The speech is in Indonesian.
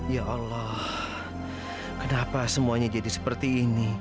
ya allah kenapa semuanya jadi seperti ini